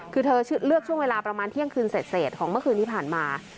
คือเธอเลือกช่วงเวลาประมาณเที่ยงคืนเสร็จของเมื่อคืนที่ผ่านมา